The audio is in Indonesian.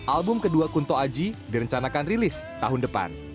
album kedua kunto aji direncanakan rilis tahun depan